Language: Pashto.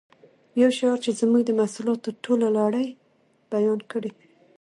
یو شعار چې زموږ د محصولاتو ټوله لړۍ بیان کړي